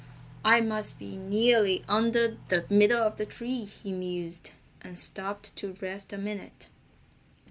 "I must be nearly under the middle of the tree," he mused, and stopped to rest a minute.